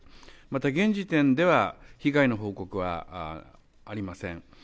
また現時点では、被害の報告はありません。